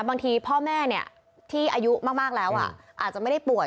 พ่อแม่ที่อายุมากแล้วอาจจะไม่ได้ป่วย